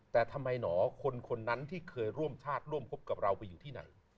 แต่ทำไมหนอคนนั้นที่เคยร่วมชาติร่วมพบกับเราไปอยู่ที่ไหน